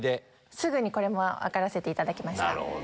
すぐに分からせていただきました。